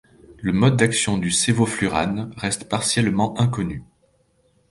Le mode d'action du sévoflurane reste partiellement inconnu.